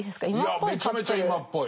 いやめちゃめちゃ今っぽい。